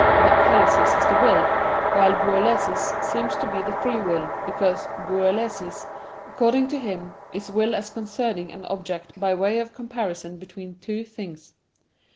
But thelesis is the will, while boulesis seems to be the free will, because boulesis, according to him, is will as concerning an object by way of comparison between two things.